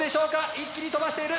一気に飛ばしている！